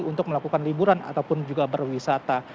untuk melakukan liburan ataupun juga berwisata